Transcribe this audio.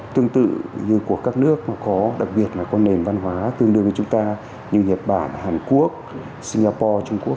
tương tự như của các nước có đặc biệt là có nền văn hóa tương đương với chúng ta như nhật bản hàn quốc singapore trung quốc